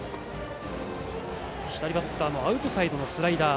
左バッターのアウトサイドのスライダー。